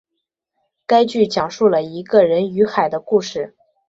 该剧讲述了一个人与海的故事。